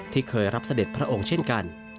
เคยรับเสด็จพระองค์เช่นกัน